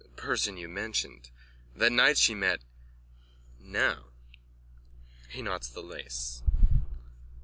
person you mentioned. That night she met... Now! _(He knots the lace.